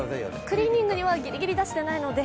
クリーニングには、ぎりぎり出していないので。